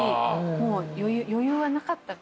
もう余裕はなかった。